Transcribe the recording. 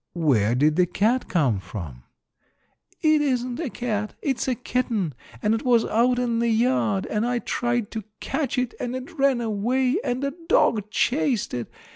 "Where did the cat come from?" "It isn't a cat, it's a kitten, and it was out in the yard, and I tried to catch it and it ran away and a dog chased it.